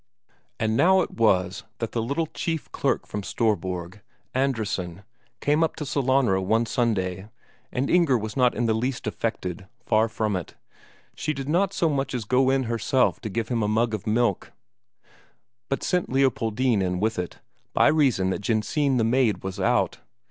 And now it was that the little chief clerk from Storborg, Andresen, came up to Sellanraa one Sunday, and Inger was not in the least affected, far from it; she did not so much as go in herself to give him a mug of milk, but sent Leopoldine in with it, by reason that Jensine the maid was out.